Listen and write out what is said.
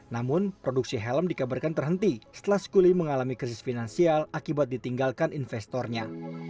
namun produksi helm dikabarkan terhenti setelah skuli mengalami krisis finansial akibat ditinggalkan investornya